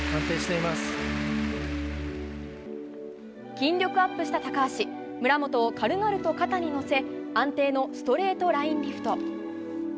筋力アップした高橋村元を軽々と肩に乗せ安定のストレートラインリフト。